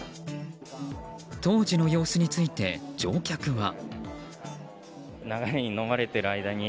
当時の様子について、乗客は。